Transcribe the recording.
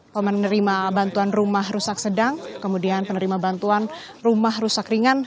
penerima bantuan rumah rusak sedang kemudian penerima bantuan rumah rusak ringan